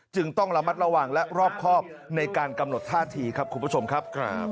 ต้องระมัดระวังและรอบครอบในการกำหนดท่าทีครับคุณผู้ชมครับ